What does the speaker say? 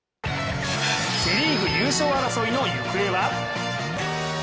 セ・リーグ優勝争いの行方は？